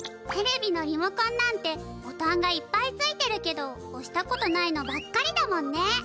テレビのリモコンなんてボタンがいっぱいついてるけどおしたことないのばっかりだもんね。